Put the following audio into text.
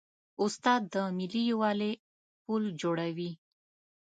استاد د ملي یووالي پل جوړوي.